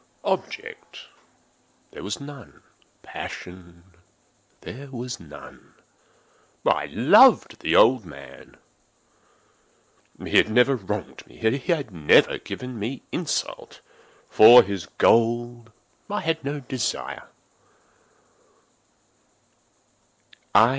Object there was none. Passion there was none. I loved the old man. He had never wronged me. He had never given me insult. For his gold I had no desire.